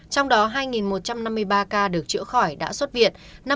trong đó hai một trăm năm mươi ba ca được chữa khỏi đã xuất viện